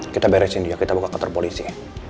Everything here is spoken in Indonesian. kita beresin dia kita buka kater polisi